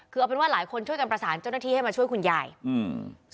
คือเอาเป็นว่าหลายคนช่วยกันประสานเจ้าหน้าที่ให้มาช่วยคุณยายอืม